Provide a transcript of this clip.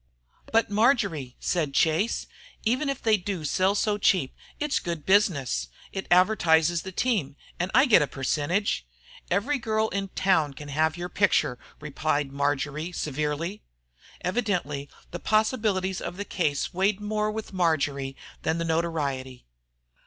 "But, Marjory," said Chase, "even if they do sell so cheap it's good business. It advertises the team, and I get a percentage." "Every girl in town can have your picture," replied Marjory, severely. Evidently the possibilities of the case weighed more with Marjory than the notoriety.